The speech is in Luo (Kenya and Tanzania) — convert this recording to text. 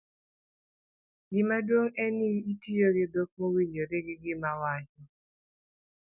gimaduong' en ni itiyo gi dhok mowinjore gi gima wacho